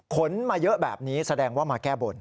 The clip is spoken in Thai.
คนมาเยอะแบบนี้แสดงว่ามาแก้บน